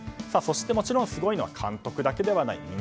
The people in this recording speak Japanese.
そしてもちろんすごいのは監督だけではない。